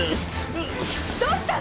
どうしたの！？